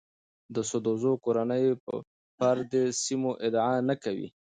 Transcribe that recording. د سدوزو کورنۍ به پر دې سیمو ادعا نه کوي.